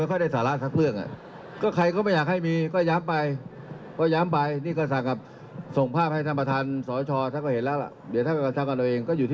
วันนี้ก็อยู่ให้มันจบไปก่อน